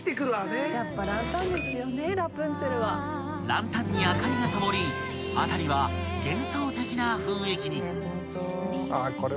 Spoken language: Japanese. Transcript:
［ランタンに明かりが灯り辺りは幻想的な雰囲気に］